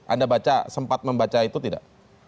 anda baca sempat membaca itu tidak